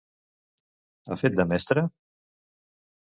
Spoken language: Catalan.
Ha fet de mestra?